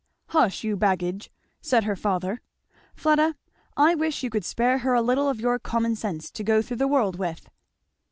"Hush, you baggage!" said her father. "Fleda, I wish you could spare her a little of your common sense, to go through the world with."